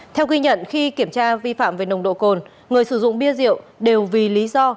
theo ghi nhận khi kiểm tra vi phạm về nồng độ cồn người sử dụng bia rượu đều vì lý do